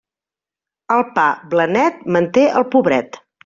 El pa blanet manté el pobret.